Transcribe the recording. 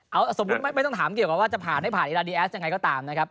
เอาสมมุติไม่ต้องถามเกี่ยวกับว่าจะผ่านให้ผ่านอีราดีแอสยังไงก็ตามนะครับ